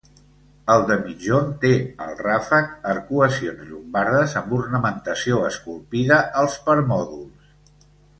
El de migjorn té al ràfec arcuacions llombardes amb ornamentació esculpida als permòdols.